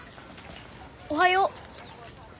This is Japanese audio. おはよう。